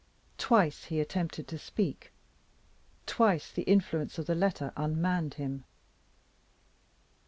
Twice he attempted to speak. Twice the influence of the letter unmanned him.